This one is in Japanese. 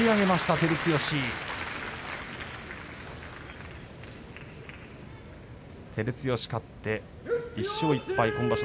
照強勝って１勝１敗今場所